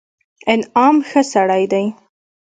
انعام ښه سړى دئ.